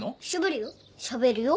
しゃべるよ。